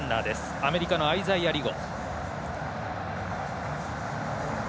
アメリカのアイザイア・リゴ。